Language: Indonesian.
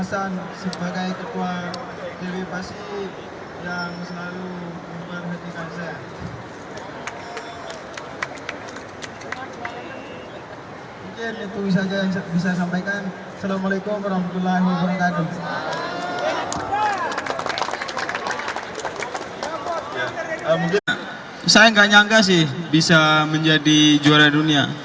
saya tidak menyangka bisa menjadi juara dunia